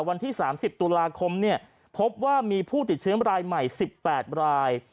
วันที่๓๐ตุลาคมพบว่ามีผู้ติดเชื้อรายใหม่๑๘ราย